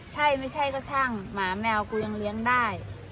ใช่ไม่ใช่ก็ช่างหมาแมวกูยังเลี้ยงได้